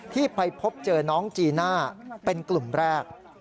ที่ไปพบเจอน้องจีน่าเป็นกลุ่มแรก